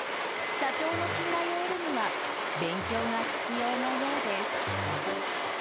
社長の信頼を得るには勉強が必要なようです。